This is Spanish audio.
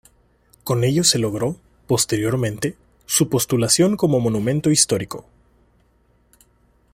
Con ello se logró, posteriormente, su postulación como Monumento Histórico.